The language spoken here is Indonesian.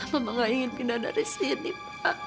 mama gak ingin pindah dari sini pa